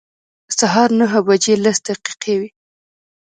سهار نهه بجې لس دقیقې وې.